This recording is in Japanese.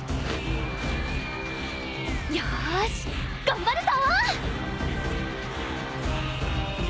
「よーし頑張るぞ！」